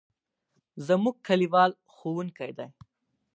زموږ کلیوال ښوونکی دی.